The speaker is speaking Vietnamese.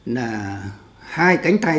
là hai cánh tay